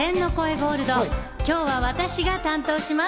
ゴールド、今日が私が担当します。